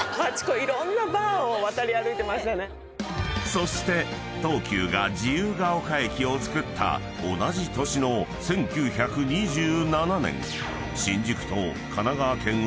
［そして東急が自由が丘駅をつくった同じ年の１９２７年］